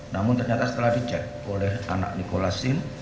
namun ternyata setelah di cek oleh anak nikolasin